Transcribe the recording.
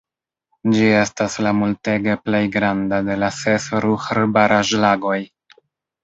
Ĝi estas la multege plej granda de la ses Ruhr-baraĵlagoj.